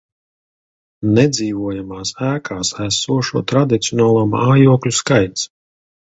Nedzīvojamās ēkās esošo tradicionālo mājokļu skaits